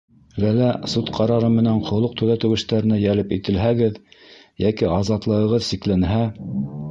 Ләлә. суд ҡарары менән холоҡ төҙәтеү эштәренә йәлеп ителһәгеҙ йәки азатлығығыҙ сикләнһә.